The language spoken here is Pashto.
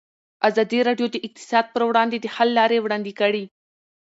ازادي راډیو د اقتصاد پر وړاندې د حل لارې وړاندې کړي.